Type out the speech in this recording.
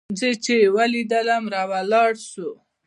زه چې يې وليدلم راولاړ سو.